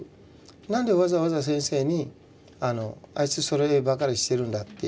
何でわざわざ先生にあいつそればかりしてるんだっていう。